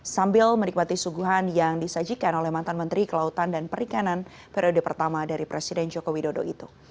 sambil menikmati suguhan yang disajikan oleh mantan menteri kelautan dan perikanan periode pertama dari presiden joko widodo itu